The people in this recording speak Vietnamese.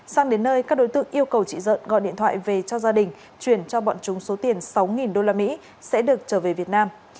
sang đến nơi các đối tượng yêu cầu chị dợn gọi điện thoại về cho gia đình chuyển cho bọn chúng số tiền sáu usd sẽ được trở về việt nam